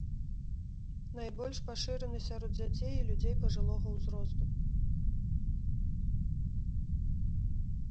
Найбольш пашыраны сярод дзяцей і людзей пажылога ўзросту.